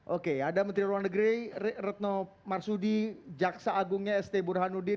oke ada menteri luar negeri retno marsudi jaksa agungnya st burhanuddin